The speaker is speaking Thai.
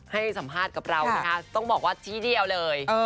ให้สัมภาษณ์กับเรานะคะต้องบอกว่าชี้เดียวเลย